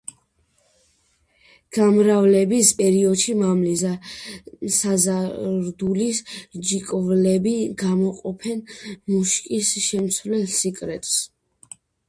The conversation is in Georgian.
გამრავლების პერიოდში მამლის საზარდულის ჯირკვლები გამოყოფენ მუშკის შემცველ სეკრეტს.